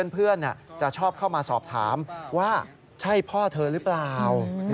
เพื่อนจะชอบเข้ามาสอบถามว่าใช่พ่อเธอหรือเปล่า